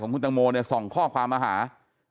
ของคุณแจงโมอเนี่ยส่งข้อความอาหาร